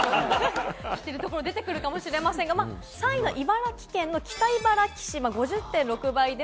知ってるところ出てくるかもしれませんが３位は茨城県の北茨城市、５０．６倍。